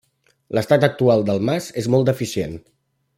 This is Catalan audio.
L’estat actual del mas, és molt deficient.